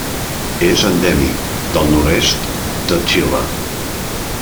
És endèmic del nord-est de Xile.